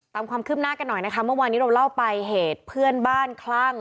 ตามความคืบหน้ากันหน่อยนะคะเมื่อวานนี้เราเล่าไปเหตุเพื่อนบ้านคลั่ง